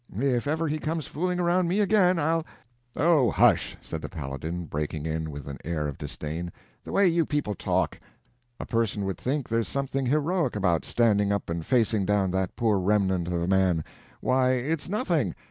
If ever he comes fooling around me again, I'll—" "Oh, hush!" said the Paladin, breaking in with an air of disdain; "the way you people talk, a person would think there's something heroic about standing up and facing down that poor remnant of a man. Why, it's nothing!